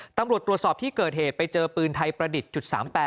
ตำรวจตรวจสอบที่เกิดเหตุไปเจอปืนไทยประดิษฐ์จุด๓๘